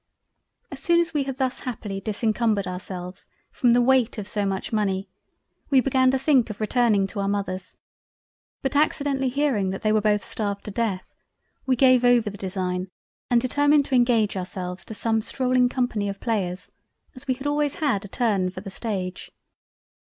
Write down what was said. As soon as we had thus happily disencumbered ourselves from the weight of so much money, we began to think of returning to our Mothers, but accidentally hearing that they were both starved to Death, we gave over the design and determined to engage ourselves to some strolling Company of Players, as we had always a turn for the Stage.